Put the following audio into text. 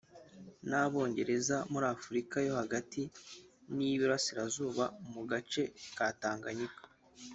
n’Abongereza muri Afurika yo hagati n’iy’Iburasirazuba mu gace ka Tanganyika